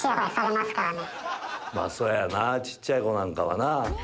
まぁそうやな小っちゃい子なんかはな。